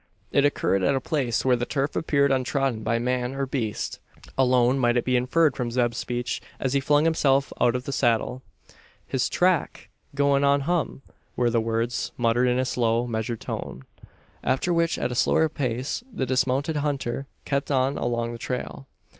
It occurred at a place where the turf appeared untrodden by man, or beast. Alone might it be inferred from Zeb's speech, as he flung himself out of the saddle: "His track! goin' to hum!" were the words muttered in a slow, measured tone; after which, at a slower pace, the dismounted hunter kept on along the trail.